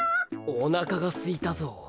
おなかがすいたぞう。